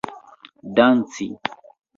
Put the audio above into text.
danci